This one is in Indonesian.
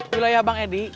wilayah bang edi